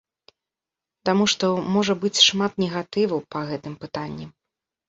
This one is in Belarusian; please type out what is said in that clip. Таму што можа быць шмат негатыву па гэтым пытанні.